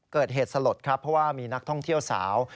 เกิดเหตุสลดครับเพราะว่ามีนักท่องเที่ยวสาว